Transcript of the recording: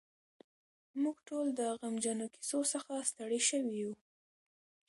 موږ ټول د غمجنو کیسو څخه ستړي شوي یو.